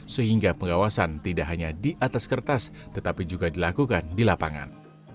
sehingga pengawasan tidak hanya di atas kertas tetapi juga dilakukan di lapangan